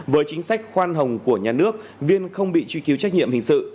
với chính sách khoan hồng của nhà nước viên không bị truy cứu trách nhiệm hình sự